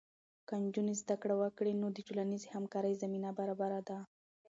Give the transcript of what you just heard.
که نجونې زده کړه وکړي، نو د ټولنیزې همکارۍ زمینه برابره ده.